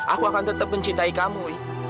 aku akan tetap mencintai kamu